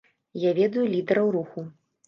Я ведаю лідэраў руху.